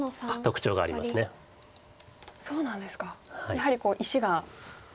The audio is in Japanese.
やはり石が。